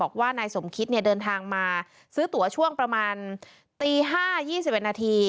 บอกว่านายสมคิตเดินทางมาซื้อตัวช่วงประมาณตี๕๒๑นาที